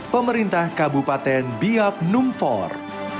pemerintah kabupaten biak numfor